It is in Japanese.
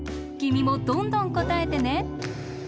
きみもどんどんこたえてね。